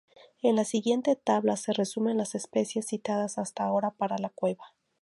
En la siguiente tabla se resumen las especies citadas hasta ahora para la cueva.